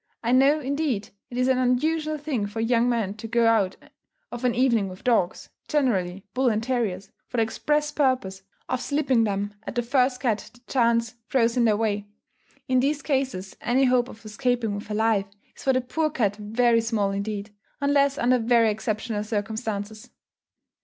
I know, indeed, it is an usual thing for young men to go out of an evening with dogs generally bull and terriers for the express purpose, of slipping them at the first cat that chance throws in their way. In these cases any hope of escaping with her life, is for the poor cat very small indeed, unless under very exceptional circumstances.